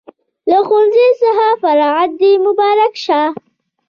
له ښوونځي څخه فراغت د مبارک شه